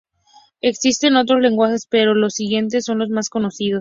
Existen otros lenguajes pero los siguientes son los más conocidos.